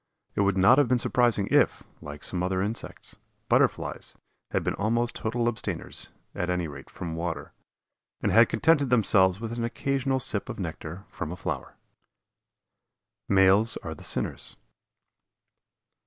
It would not have been surprising if, like some other insects, Butterflies had been almost total abstainers, at any rate, from water, and had contented themselves with an occasional sip of nectar from a flower. MALES ARE THE SINNERS.